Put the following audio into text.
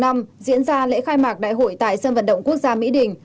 năm diễn ra lễ khai mạc đại hội tại sân vận động quốc gia mỹ đình